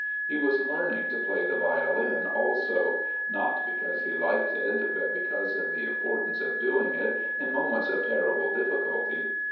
He was learning to play the violin also—not because he liked it, but because of the importance of doing it in moments of terrible difficulty.